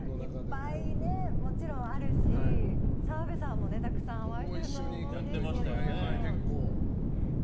いっぱいね、もちろんあるし澤部さんもたくさんお会いしてると思うんですけど。